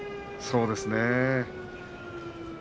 そうですね。